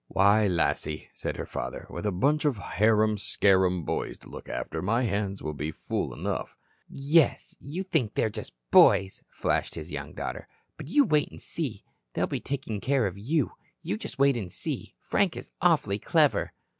"Why, Lassie," said her father, "with a bunch of harum scarum boys to look after, my hands will be full enough." "Yes, you think they're just boys," flashed his young daughter. "But you wait and see. They'll be taking care of you. Just you wait and see. Frank is awfully clever."